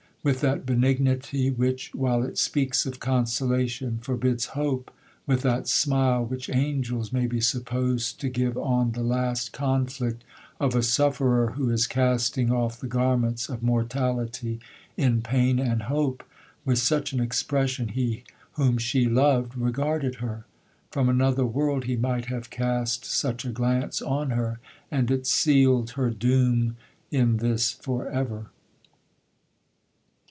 With that benignity which, while it speaks of consolation, forbids hope—with that smile which angels may be supposed to give on the last conflict of a sufferer who is casting off the garments of mortality in pain and hope—with such an expression he whom she loved regarded her. From another world he might have cast such a glance on her,—and it sealed her doom in this for ever.